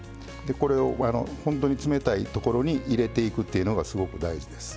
これを本当に冷たいところに入れていくっていうのがすごく大事です。